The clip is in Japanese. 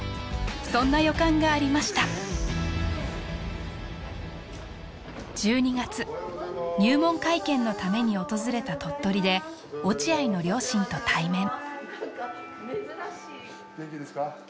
そんな予感がありました１２月入門会見のために訪れた鳥取で落合の両親と対面・何か珍しい元気ですか？